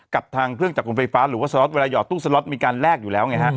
กับทางเครื่องจับกลุ่มไฟฟ้าหรือว่าเวลาหย่อตู้มีการแลกอยู่แล้วไงฮะ